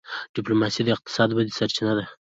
ډيپلوماسي د اقتصادي ودي سرچینه ده.